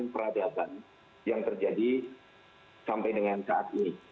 pada saat yang terjadi sampai dengan saat ini